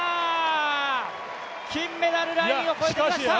金メダルラインを越えてきました。